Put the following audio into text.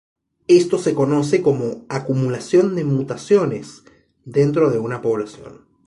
Esto se conoce como "acumulación de mutaciones" dentro de una población.